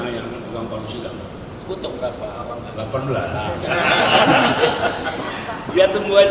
ya tunggu aja ya